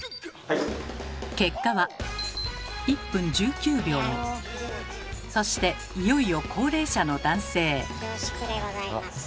結果はそしていよいよ高齢者の男性。